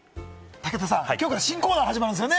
武田さん、きょうから新コーナー始まるんですよね。